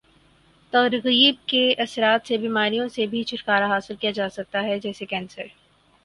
ترغیب کے اثرات سے بیماریوں سے بھی چھٹکارا حاصل کیا جاسکتا ہے جیسے کینسر